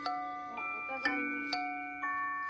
お互いに。